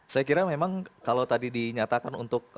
saya kira memang kalau tadi dinyatakan untuk